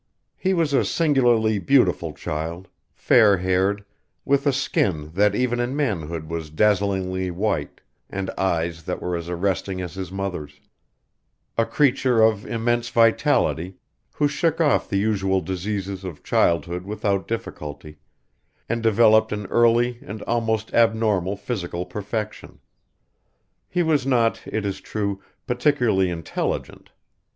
He was a singularly beautiful child, fair haired, with a skin that even in manhood was dazzlingly white, and eyes that were as arresting as his mother's: a creature of immense vitality, who shook off the usual diseases of childhood without difficulty, and developed an early and almost abnormal physical perfection. He was not, it is true, particularly intelligent.